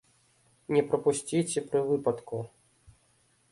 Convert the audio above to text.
Не прапусціце пры выпадку!